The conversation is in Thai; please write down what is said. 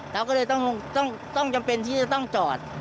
เราก็เลยต้องจำเป็นที่จะต้องจอด